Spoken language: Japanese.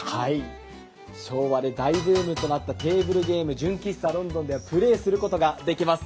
昭和で大ブームとなったテーブルゲーム、プレーすることができます。